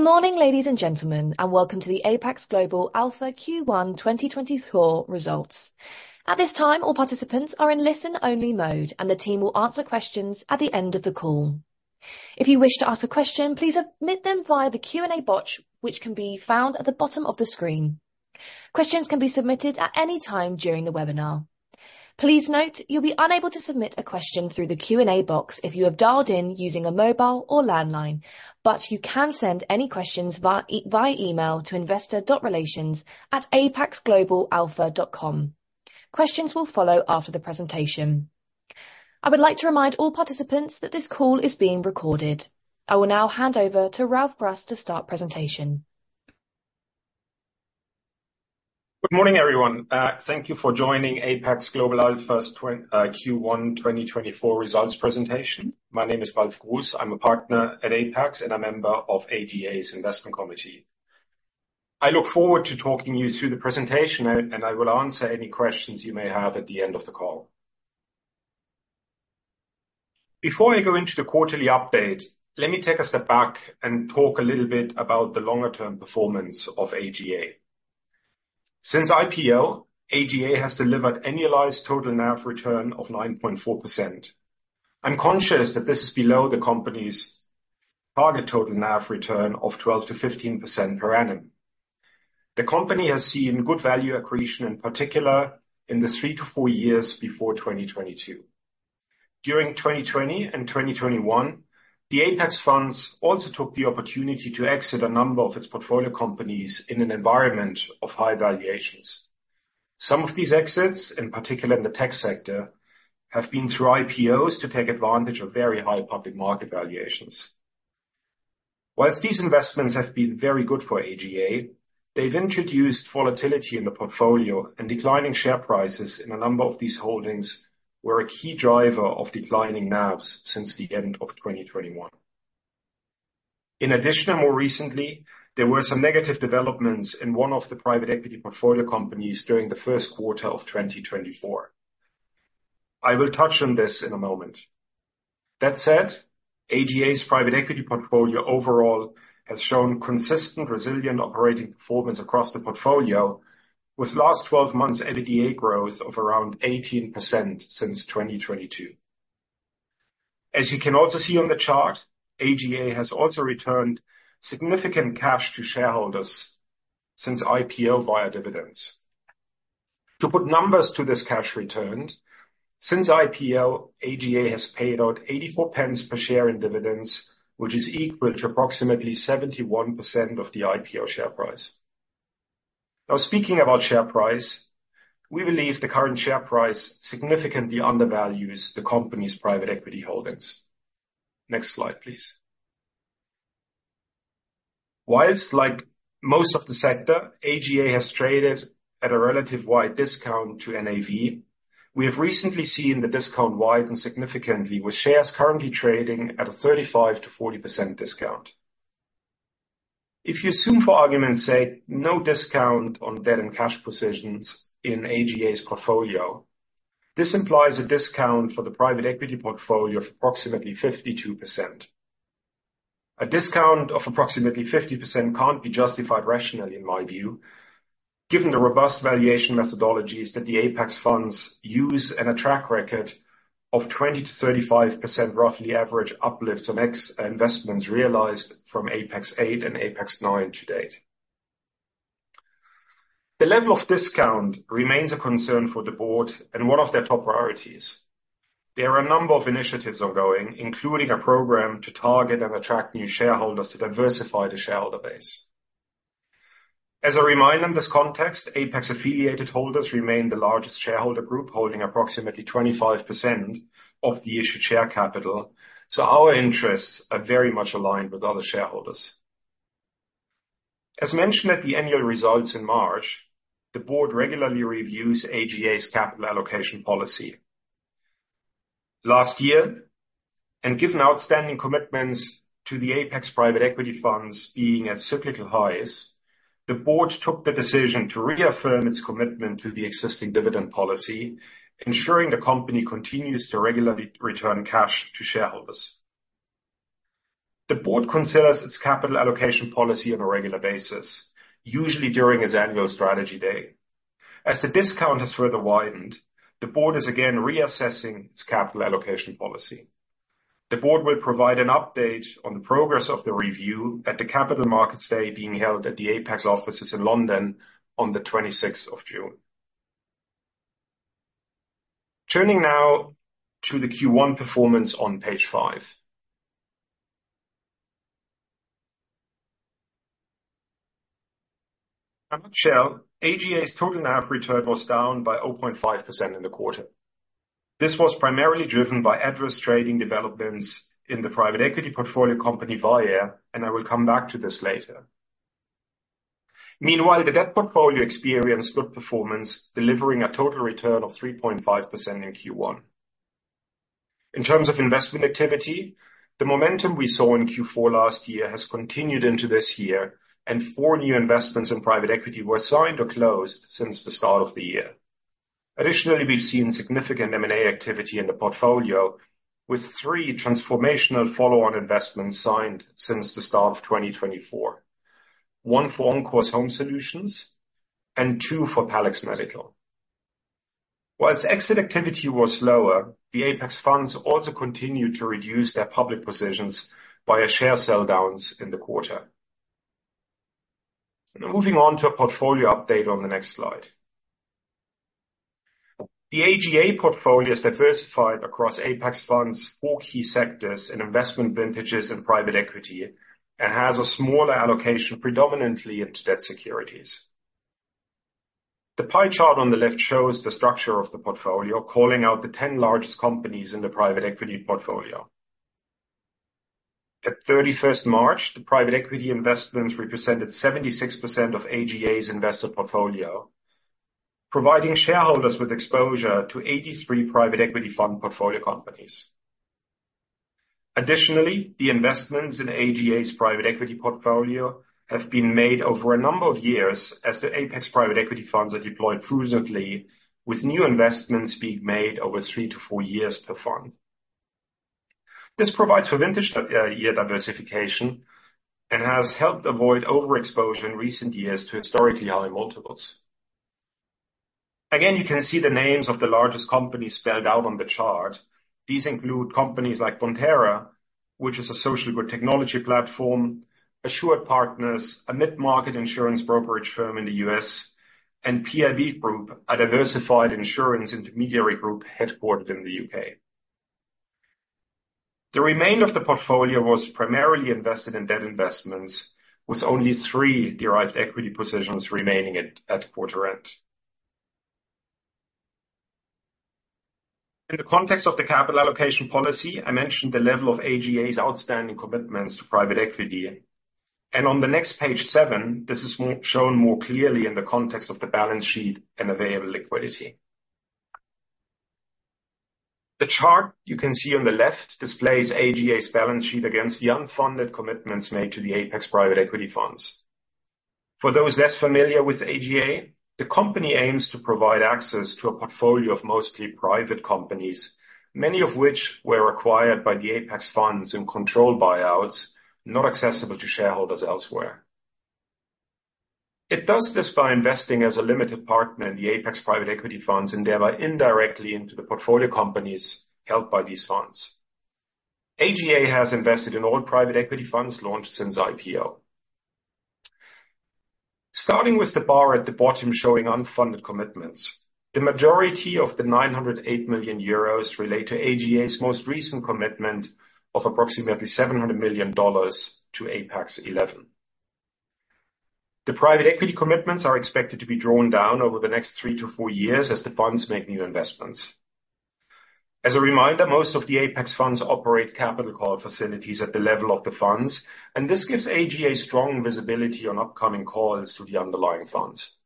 Good morning, ladies and gentlemen, and welcome to the Apax Global Alpha Q1 2024 results. At this time, all participants are in listen-only mode, and the team will answer questions at the end of the call. If you wish to ask a question, please submit them via the Q&A box, which can be found at the bottom of the screen. Questions can be submitted at any time during the webinar. Please note, you'll be unable to submit a question through the Q&A box if you have dialed in using a mobile or landline, but you can send any questions via email to investor.relations@apaxglobalalpha.com. Questions will follow after the presentation. I would like to remind all participants that this call is being recorded. I will now hand over to Ralf Gruss to start presentation. Good morning, everyone. Thank you for joining Apax Global Alpha's Q1 2024 results presentation. My name is Ralf Gruss. I'm a partner at Apax and a member of AGA's investment committee. I look forward to talking you through the presentation, and I will answer any questions you may have at the end of the call. Before I go into the quarterly update, let me take a step back and talk a little bit about the longer term performance of AGA. Since IPO, AGA has delivered annualized total NAV return of 9.4%. I'm conscious that this is below the company's target total NAV return of 12%-15% per annum. The company has seen good value accretion, in particular, in the three to four years before 2022. During 2020 and 2021, the Apax funds also took the opportunity to exit a number of its portfolio companies in an environment of high valuations. Some of these exits, in particular in the tech sector, have been through IPOs to take advantage of very high public market valuations. While these investments have been very good for AGA, they've introduced volatility in the portfolio, and declining share prices in a number of these holdings were a key driver of declining NAVs since the end of 2021. In addition, and more recently, there were some negative developments in one of the private equity portfolio companies during the first quarter of 2024. I will touch on this in a moment. That said, AGA's private equity portfolio overall has shown consistent, resilient operating performance across the portfolio, with last 12 months EBITDA growth of around 18% since 2022. As you can also see on the chart, AGA has also returned significant cash to shareholders since IPO via dividends. To put numbers to this cash returned, since IPO, AGA has paid out 0.84 per share in dividends, which is equal to approximately 71% of the IPO share price. Now, speaking about share price, we believe the current share price significantly undervalues the company's private equity holdings. Next slide, please. Whilst like most of the sector, AGA has traded at a relative wide discount to NAV, we have recently seen the discount widen significantly, with shares currently trading at a 35%-40% discount. If you assume, for argument's sake, no discount on debt and cash positions in AGA's portfolio, this implies a discount for the private equity portfolio of approximately 52%. A discount of approximately 50% can't be justified rationally, in my view, given the robust valuation methodologies that the Apax funds use and a track record of 20%-35% roughly average uplifts on exit investments realized from Apax VIII and Apax IX to date. The level of discount remains a concern for the board and one of their top priorities. There are a number of initiatives ongoing, including a program to target and attract new shareholders to diversify the shareholder base. As a reminder, in this context, Apax-affiliated holders remain the largest shareholder group, holding approximately 25% of the issued share capital, so our interests are very much aligned with other shareholders. As mentioned at the annual results in March, the board regularly reviews AGA's capital allocation policy. Last year, and given outstanding commitments to the Apax private equity funds being at cyclical highs, the board took the decision to reaffirm its commitment to the existing dividend policy, ensuring the company continues to regularly return cash to shareholders. The board considers its capital allocation policy on a regular basis, usually during its annual strategy day. As the discount has further widened, the board is again reassessing its capital allocation policy. The board will provide an update on the progress of the review at the Capital Markets Day being held at the Apax offices in London on the 26th of June. Turning now to the Q1 performance on page five. In a nutshell, AGA's total NAV return was down by 0.5% in the quarter. This was primarily driven by adverse trading developments in the private equity portfolio company, Vyaire, and I will come back to this later. Meanwhile, the debt portfolio experienced good performance, delivering a total return of 3.5% in Q1. In terms of investment activity, the momentum we saw in Q4 last year has continued into this year, and four new investments in private equity were signed or closed since the start of the year. Additionally, we've seen significant M&A activity in the portfolio, with three transformational follow-on investments signed since the start of 2024. One for Oncourse Home Solutions, and two for Palex Medical. While exit activity was lower, the Apax Funds also continued to reduce their public positions via share sell downs in the quarter. Now moving on to a portfolio update on the next slide. The AGA portfolio is diversified across Apax Funds, four key sectors in investment vintages and private equity, and has a smaller allocation, predominantly into debt securities. The pie chart on the left shows the structure of the portfolio, calling out the ten largest companies in the private equity portfolio. At 31st March, the private equity investments represented 76% of AGA's investor portfolio, providing shareholders with exposure to 83 private equity fund portfolio companies. Additionally, the investments in AGA's private equity portfolio have been made over a number of years, as the Apax private equity funds are deployed prudently, with new investments being made over three to four years per fund. This provides for vintage year diversification and has helped avoid overexposure in recent years to historically high multiples. Again, you can see the names of the largest companies spelled out on the chart. These include companies like Bonterra, which is a social good technology platform, AssuredPartners, a mid-market insurance brokerage firm in the U.S., and PIB Group, a diversified insurance intermediary group headquartered in the U.K. The remainder of the portfolio was primarily invested in debt investments, with only three derived equity positions remaining at quarter end. In the context of the capital allocation policy, I mentioned the level of AGA's outstanding commitments to private equity, and on the next page seven, this is more shown more clearly in the context of the balance sheet and available liquidity. The chart you can see on the left displays AGA's balance sheet against the unfunded commitments made to the Apax private equity funds. For those less familiar with AGA, the company aims to provide access to a portfolio of mostly private companies, many of which were acquired by the Apax Funds in control buyouts, not accessible to shareholders elsewhere. It does this by investing as a limited partner in the Apax private equity funds, and thereby indirectly into the portfolio companies held by these funds. AGA has invested in all private equity funds launched since IPO. Starting with the bar at the bottom showing unfunded commitments, the majority of 908 million euros relate to AGA's most recent commitment of approximately $700 million to Apax XI. The private equity commitments are expected to be drawn down over the next three to four years as the funds make new investments. As a reminder, most of the Apax Funds operate capital call facilities at the level of the funds, and this gives AGA strong visibility on upcoming calls to the underlying funds.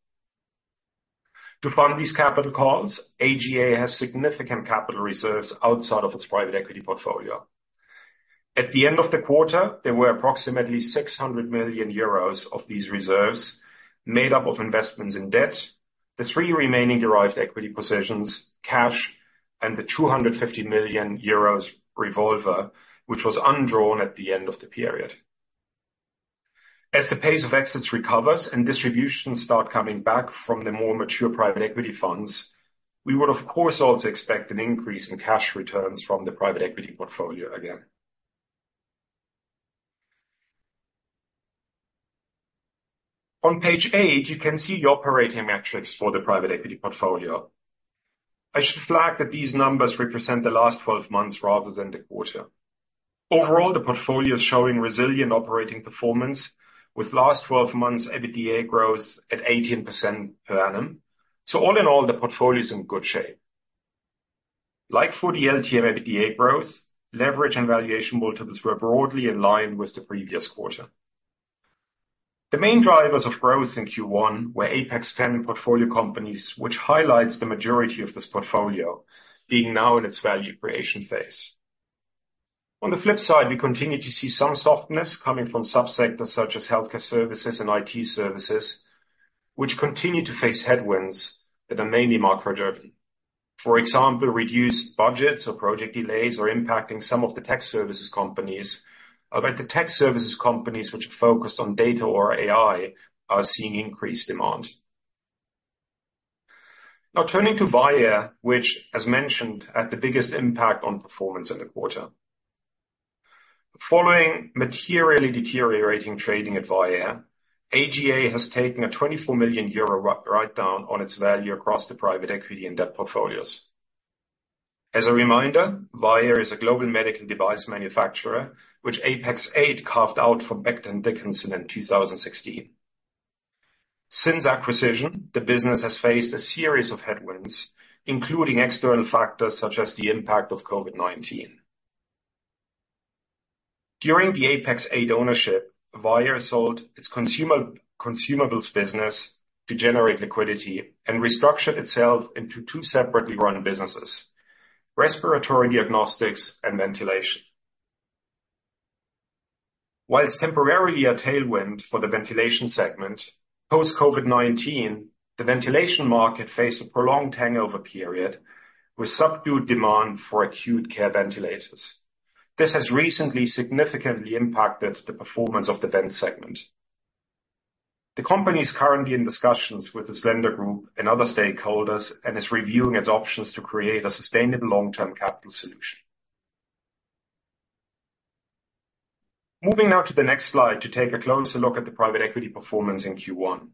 To fund these capital calls, AGA has significant capital reserves outside of its private equity portfolio. At the end of the quarter, there were approximately 600 million euros of these reserves, made up of investments in debt, the three remaining derived equity positions, cash, and the 250 million euros revolver, which was undrawn at the end of the period. As the pace of exits recovers and distributions start coming back from the more mature private equity funds, we would, of course, also expect an increase in cash returns from the private equity portfolio again. On page eight, you can see the operating metrics for the private equity portfolio. I should flag that these numbers represent the last 12 months rather than the quarter. Overall, the portfolio is showing resilient operating performance, with last 12 months EBITDA growth at 18% per annum. So all in all, the portfolio is in good shape. Like for the LTM EBITDA growth, leverage and valuation multiples were broadly in line with the previous quarter. The main drivers of growth in Q1 were Apax X portfolio companies, which highlights the majority of this portfolio being now in its value creation phase. On the flip side, we continued to see some softness coming from sub-sectors such as healthcare services and IT services, which continue to face headwinds that are mainly macro-driven. For example, reduced budgets or project delays are impacting some of the tech services companies, but the tech services companies which are focused on data or AI are seeing increased demand. Now turning to Vyaire, which, as mentioned, had the biggest impact on performance in the quarter. Following materially deteriorating trading at Vyaire, AGA has taken a 24 million euro write down on its value across the private equity and debt portfolios. As a reminder, Vyaire is a global medical device manufacturer, which Apax VIII carved out from Becton Dickinson in 2016. Since acquisition, the business has faced a series of headwinds, including external factors such as the impact of COVID-19. During the Apax VIII ownership, Vyaire sold its consumables business to generate liquidity and restructured itself into two separately run businesses: respiratory diagnostics and ventilation. Whilst temporarily a tailwind for the ventilation segment, post-COVID-19, the ventilation market faced a prolonged hangover period with subdued demand for acute care ventilators. This has recently significantly impacted the performance of the vent segment. The company is currently in discussions with its lender group and other stakeholders, and is reviewing its options to create a sustainable long-term capital solution. Moving now to the next slide to take a closer look at the private equity performance in Q1.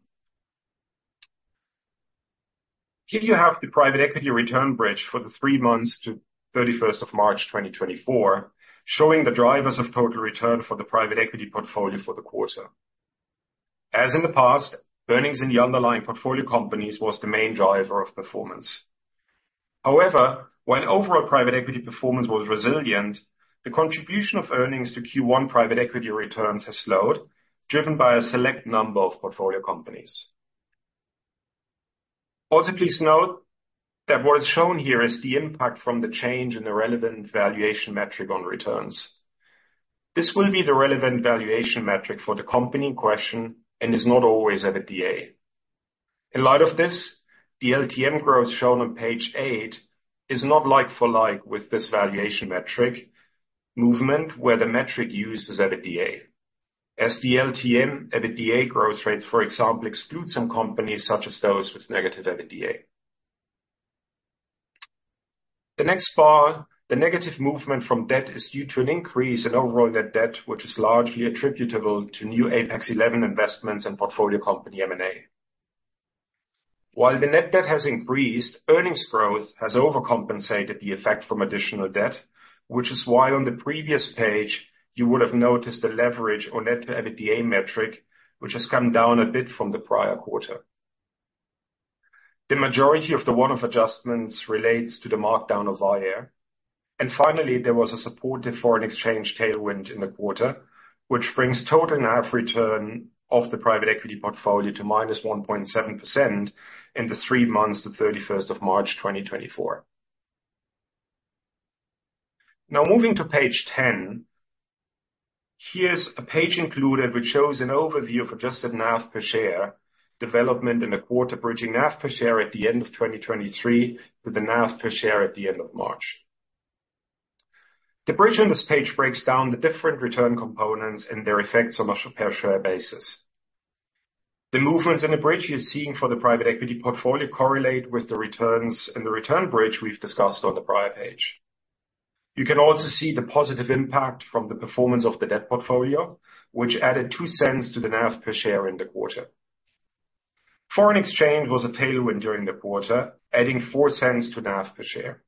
Here you have the private equity return bridge for the three months to the 31st of March, 2024, showing the drivers of total return for the private equity portfolio for the quarter. As in the past, earnings in the underlying portfolio companies was the main driver of performance. However, while overall private equity performance was resilient, the contribution of earnings to Q1 private equity returns has slowed, driven by a select number of portfolio companies. Also, please note that what is shown here is the impact from the change in the relevant valuation metric on returns. This will be the relevant valuation metric for the company in question, and is not always at the EBITDA. In light of this, the LTM growth shown on page eight is not like for like with this valuation metric movement, where the metric used is at EBITDA. As the LTM at the EBITDA growth rates, for example, exclude some companies, such as those with negative EBITDA. The next bar, the negative movement from debt, is due to an increase in overall net debt, which is largely attributable to new Apax XI investments and portfolio company M&A. While the net debt has increased, earnings growth has overcompensated the effect from additional debt, which is why on the previous page you would have noticed a leverage or net to EBITDA metric, which has come down a bit from the prior quarter. The majority of the one-off adjustments relates to the markdown of Vyaire, and finally, there was a supportive foreign exchange tailwind in the quarter, which brings total NAV return of the private equity portfolio to -1.7% in the three months to 31st of March, 2024. Now, moving to page 10. Here's a page included, which shows an overview of adjusted NAV per share development in the quarter, bridging NAV per share at the end of 2023, with the NAV per share at the end of March. The bridge on this page breaks down the different return components and their effects on a per-share basis. The movements in the bridge you're seeing for the private equity portfolio correlate with the returns in the return bridge we've discussed on the prior page. You can also see the positive impact from the performance of the debt portfolio, which added 0.02 to the NAV per share in the quarter. Foreign exchange was a tailwind during the quarter, adding 0.04 to NAV per share.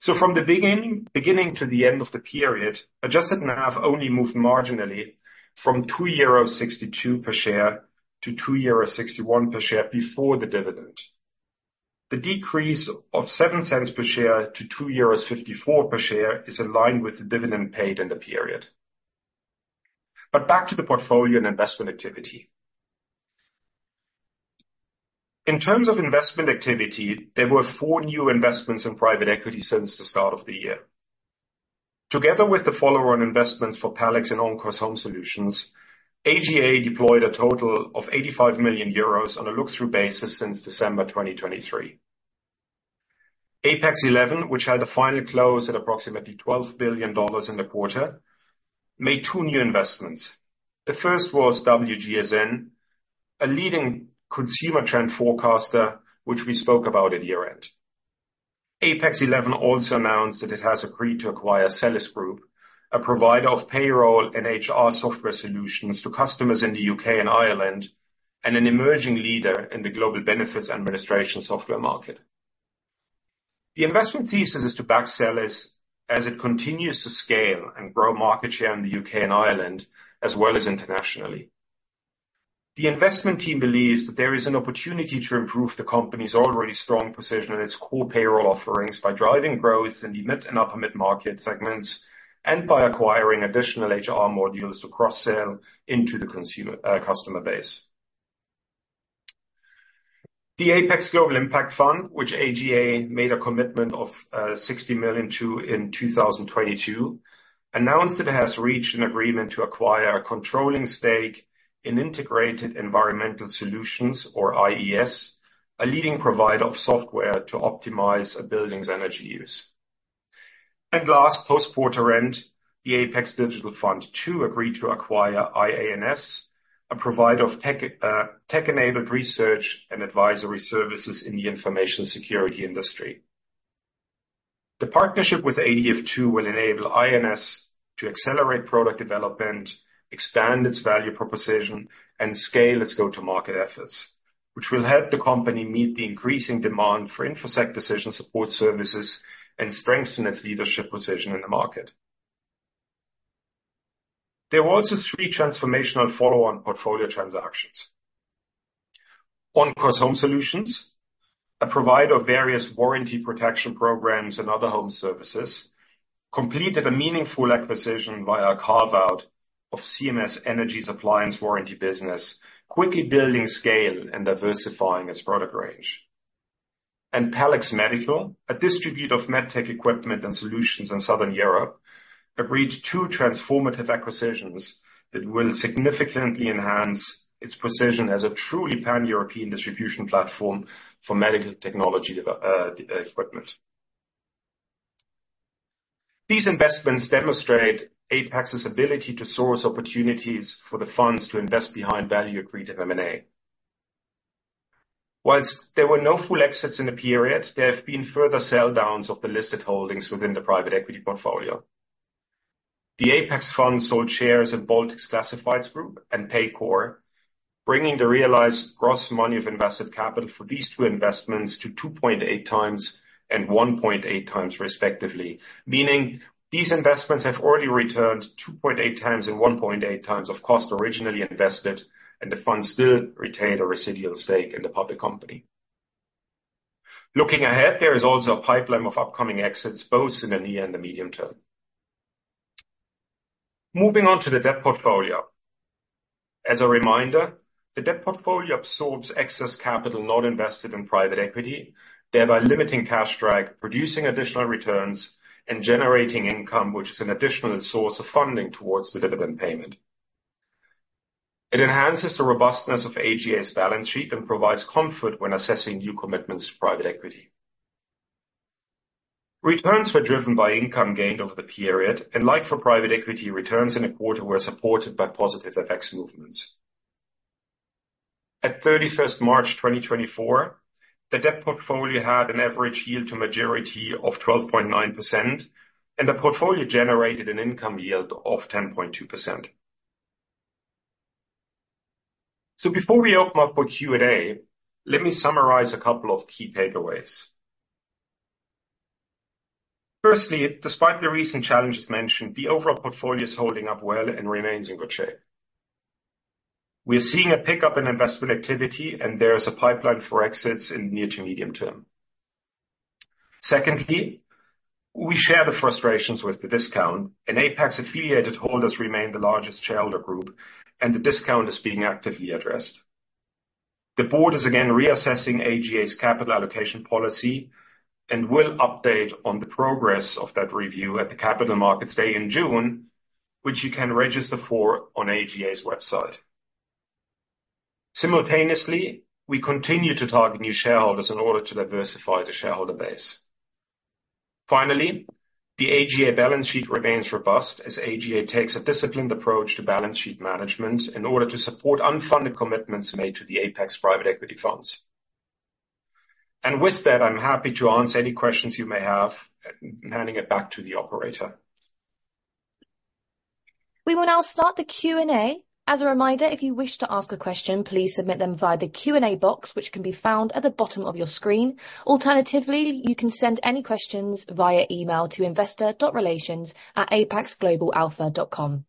So from the beginning, beginning to the end of the period, adjusted NAV only moved marginally from 2.62 euro per share to 2.61 euro per share before the dividend. The decrease of 0.07 per share to 2.54 euros per share is aligned with the dividend paid in the period. But back to the portfolio and investment activity. In terms of investment activity, there were four new investments in private equity since the start of the year. Together with the follow-on investments for Palex and OnCourse Home Solutions, AGA deployed a total of 85 million euros on a look-through basis since December 2023. Apax XI, which had a final close at approximately $12 billion in the quarter, made two new investments. The first was WGSN, a leading consumer trend forecaster, which we spoke about at year-end. Apax XI also announced that it has agreed to acquire Zellis Group, a provider of payroll and HR software solutions to customers in the U.K. and Ireland, and an emerging leader in the global benefits administration software market. The investment thesis is to back Zellis as it continues to scale and grow market share in the U.K. and Ireland, as well as internationally. The investment team believes that there is an opportunity to improve the company's already strong position in its core payroll offerings by driving growth in the mid and upper-mid market segments, and by acquiring additional HR modules to cross-sell into the consumer, customer base. The Apax Global Impact Fund, which AGA made a commitment of 60 million to in 2022, announced it has reached an agreement to acquire a controlling stake in Integrated Environmental Solutions, or IES, a leading provider of software to optimize a building's energy use. Also, post-quarter end, the Apax Digital Fund II agreed to acquire IANS, a provider of tech-enabled research and advisory services in the information security industry. The partnership with ADF II will enable IANS to accelerate product development, expand its value proposition, and scale its go-to-market efforts, which will help the company meet the increasing demand for infosec decision support services and strengthen its leadership position in the market. There were also three transformational follow-on portfolio transactions. OnCourse Home Solutions, a provider of various warranty protection programs and other home services, completed a meaningful acquisition via a carve-out of CMS Energy's appliance warranty business, quickly building scale and diversifying its product range and Palex Medical, a distributor of med tech equipment and solutions in Southern Europe, agreed two transformative acquisitions that will significantly enhance its position as a truly pan-European distribution platform for medical technology, equipment. These investments demonstrate Apax's ability to source opportunities for the funds to invest behind value agreed in M&A. While there were no full exits in the period, there have been further sell downs of the listed holdings within the private equity portfolio. The Apax Fund sold shares of Baltic Classifieds Group and Paycor, bringing the realized gross multiple of invested capital for these two investments to 2.8x and 1.8x, respectively, meaning these investments have already returned 2.8x and 1.8x of cost originally invested, and the fund still retained a residual stake in the public company. Looking ahead, there is also a pipeline of upcoming exits, both in the near and the medium term. Moving on to the debt portfolio. As a reminder, the debt portfolio absorbs excess capital not invested in private equity, thereby limiting cash drag, producing additional returns, and generating income, which is an additional source of funding towards the dividend payment. It enhances the robustness of AGA's balance sheet and provides comfort when assessing new commitments to private equity. Returns were driven by income gained over the period, and like for private equity, returns in the quarter were supported by positive FX movements. At March 31st, 2024, the debt portfolio had an average yield to maturity of 12.9%, and the portfolio generated an income yield of 10.2%. So before we open up for Q&A, let me summarize a couple of key takeaways. Firstly, despite the recent challenges mentioned, the overall portfolio is holding up well and remains in good shape. We are seeing a pickup in investment activity, and there is a pipeline for exits in the near to medium term. Secondly, we share the frustrations with the discount, and Apax-affiliated holders remain the largest shareholder group, and the discount is being actively addressed. The board is again reassessing AGA's capital allocation policy and will update on the progress of that review at the Capital Markets Day in June, which you can register for on AGA's website. Simultaneously, we continue to target new shareholders in order to diversify the shareholder base. Finally, the AGA balance sheet remains robust as AGA takes a disciplined approach to balance sheet management in order to support unfunded commitments made to the Apax private equity funds. And with that, I'm happy to answer any questions you may have. Handing it back to the operator. We will now start the Q&A. As a reminder, if you wish to ask a question, please submit them via the Q&A box, which can be found at the bottom of your screen. Alternatively, you can send any questions via email to investor.relations@apaxglobalalpha.com.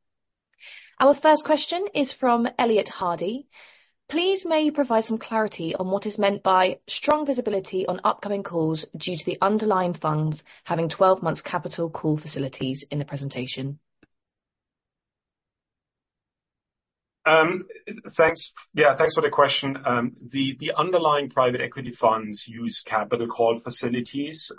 Our first question is from Elliott Hardy. Please, may you provide some clarity on what is meant by strong visibility on upcoming calls due to the underlying funds having 12 months capital call facilities in the presentation? Thanks. Yeah, thanks for the question. The underlying private equity funds use capital call facilities,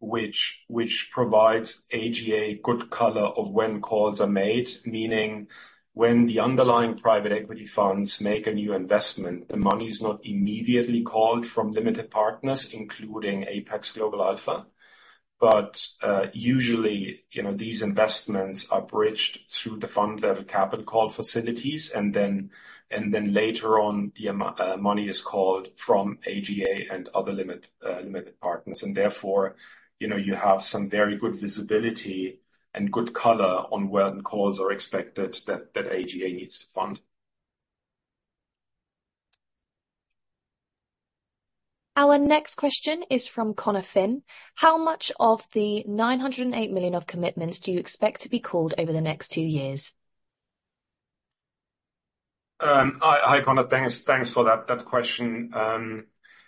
which provides AGA good color of when calls are made, meaning when the underlying private equity funds make a new investment, the money is not immediately called from limited partners, including Apax Global Alpha. But usually, you know, these investments are bridged through the fund-level capital call facilities, and then later on, the money is called from AGA and other limited partners, and therefore, you know, you have some very good visibility and good color on when calls are expected that AGA needs to fund. Our next question is from Conor Finn. How much of the 908 million of commitments do you expect to be called over the next two years? Hi, Conor. Thanks for that question.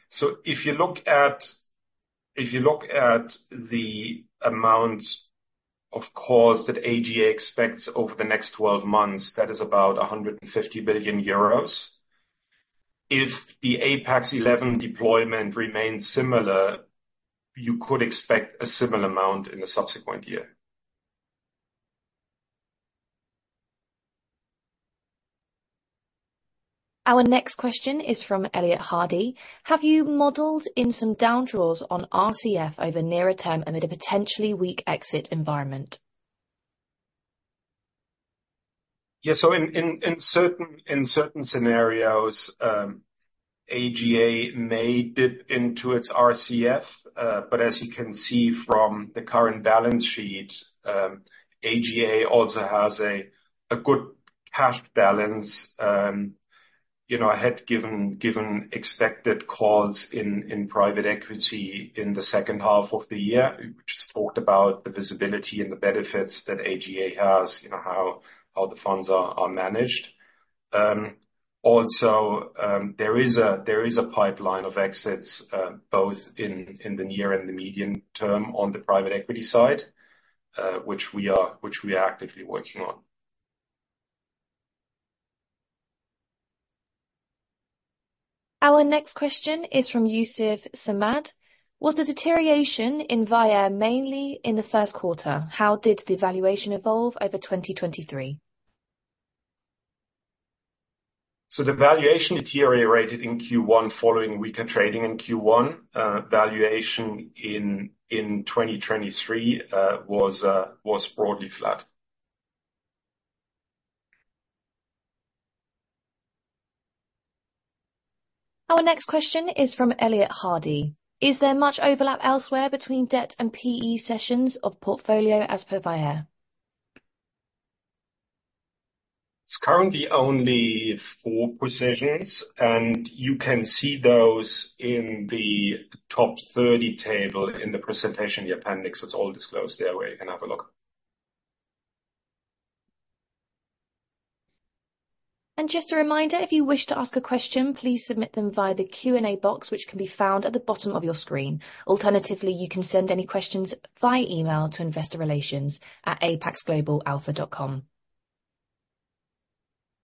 So if you look at the amount of calls that AGA expects over the next 12 months, that is about 150 billion euros. If the Apax XI deployment remains similar, you could expect a similar amount in the subsequent year. Our next question is from Elliott Hardy. Have you modeled in some draws on RCF over nearer term amid a potentially weak exit environment? Yeah, so in certain scenarios, AGA may dip into its RCF, but as you can see from the current balance sheet, AGA also has a good cash balance. You know, I had given expected calls in private equity in the second half of the year. We just talked about the visibility and the benefits that AGA has, you know, how the funds are managed. Also, there is a pipeline of exits, both in the near and the medium term on the private equity side, which we are actively working on. Our next question is from Yusuf Samad. Was the deterioration in Vyaire mainly in the first quarter? How did the valuation evolve over 2023? So the valuation deteriorated in Q1 following weaker trading in Q1. Valuation in 2023 was broadly flat. Our next question is from Elliott Hardy. Is there much overlap elsewhere between debt and PE sessions of portfolio as per Vyaire? It's currently only four positions, and you can see those in the top 30 table in the presentation, the appendix. It's all disclosed there, where you can have a look. Just a reminder, if you wish to ask a question, please submit them via the Q&A box, which can be found at the bottom of your screen. Alternatively, you can send any questions via email to investorrelations@apaxglobalalpha.com.